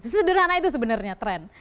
sederhana itu sebenarnya tren